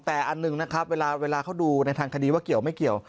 แต่อันหนึ่งนะครับเวลาเขาดูในทางคดีว่าเกี่ยวไม่เกี่ยว